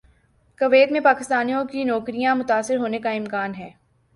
Kuwait میں پاکستانیوں کی نوکریاں متاثر ہونے کا امکان ہے